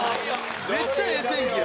めっちゃええ天気や。